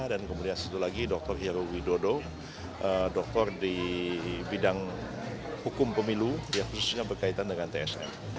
dan kemudian satu lagi dr hiro widodo dokter di bidang hukum pemilu khususnya berkaitan dengan tsm